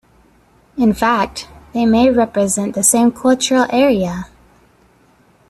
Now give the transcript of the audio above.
In fact, they may represent the same cultural area.